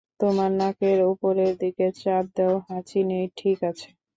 তোমার নাকের উপরের দিকে চাপ দেও, হাঁচি নেই ঠিক আছে?